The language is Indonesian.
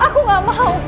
aku gak mau kak